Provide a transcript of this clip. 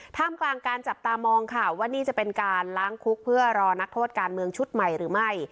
ท่ามกลางการจับตามองค่ะว่านี่จะเป็นการล้างคุกเพื่อรอนักโทษการเมืองชุดใหม่หรือไม่